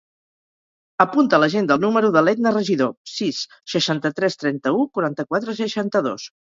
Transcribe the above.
Apunta a l'agenda el número de l'Etna Regidor: sis, seixanta-tres, trenta-u, quaranta-quatre, seixanta-dos.